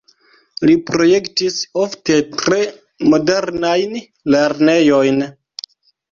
Li projektis ofte tre modernajn lernejojn.